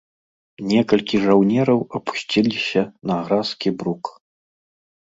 Некалькі жаўнераў апусцілася на гразкі брук.